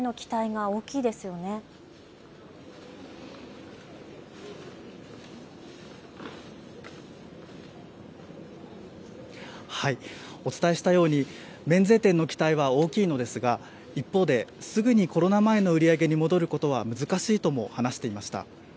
はい、お伝えしたように免税店の期待は大きいのですが一方で、すぐにコロナ前の売り上げに戻ることは難しいとも話していました。